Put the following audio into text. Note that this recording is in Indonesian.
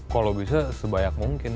kalau bisa sebanyak mungkin